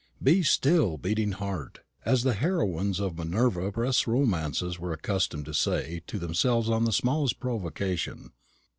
Be still, beating heart! as the heroines of Minerva press romances were accustomed to say to themselves on the smallest provocation.